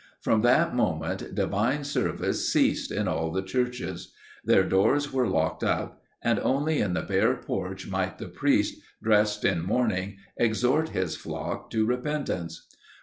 From that moment divine service ceased in all the churches; their doors were locked up; and only in the bare porch might the priest, dressed in mourning, exhort his flock to repentance.